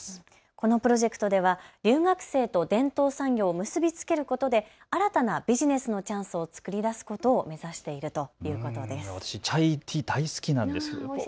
このプロジェクトでは留学生と伝統産業を結び付けることで新たなビジネスのチャンスを作り出すことを目指しているということです。